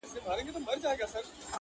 دي مړ سي!! زموږ پر زړونو مالگې سيندي!!!!